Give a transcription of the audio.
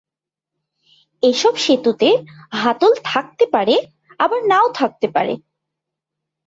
এসব সেতুতে হাতল থাকতে পারে আবার নাও থাকতে পারে।